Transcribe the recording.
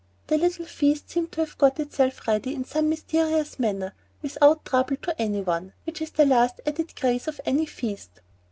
The little feast seemed to have got itself ready in some mysterious manner, without trouble to any one, which is the last added grace of any feast.